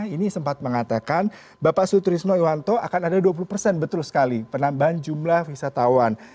ini sempat mengatakan bapak sutrisno iwanto akan ada dua puluh persen betul sekali penambahan jumlah wisatawan